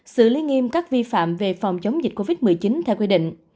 xử lý nghiêm các vi phạm về phòng chống dịch covid một mươi chín theo quy định